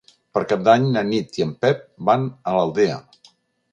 Per Cap d'Any na Nit i en Pep van a l'Aldea.